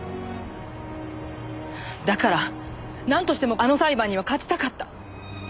だからなんとしてもあの裁判には勝ちたかった。